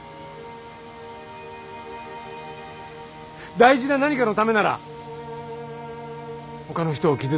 大事な何かのためならほかの人を傷つけてもかまわない。